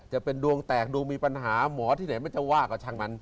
จะเป็นดวงแตกดวงมีปัญหาหมอที่ไหนมันจะว่ากับช่างมัน